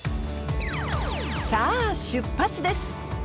さあ出発です。